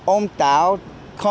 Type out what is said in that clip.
ông táo không thích cưới